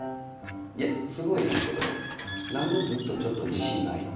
いやすごいねんけどなんでずっとちょっと自しんないの？